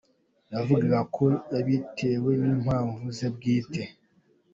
Yavugaga ko yabitewe n’impamvu ze bwite.